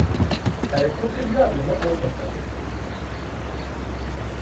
Elle contribua à de nombreux sauvetages.